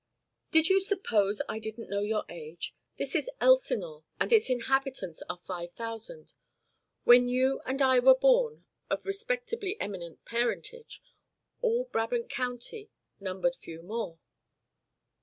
"Did you suppose I didn't know your age? This is Elsinore, and its inhabitants are five thousand. When you and I were born of respectably eminent parentage all Brabant County numbered few more."